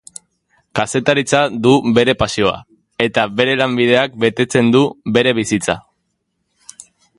Kazetaritza da bere pasioa, eta bere lanbideak betetzen du bere bizitza.